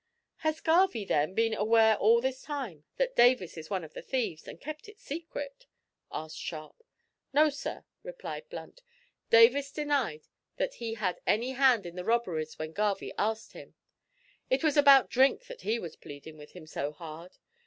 "Has Garvie, then, been aware all this time that Davis is one of the thieves, and kept it secret?" asked Sharp. "No, sir," replied Blunt. "Davis denied that he had any hand in the robberies when Garvie asked him. It was about drink that he was pleadin' with him so hard.